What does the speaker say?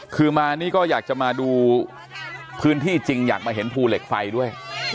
คือมานี่ก็อยากจะมาดูพื้นที่จริงอยากมาเห็นภูเหล็กไฟด้วย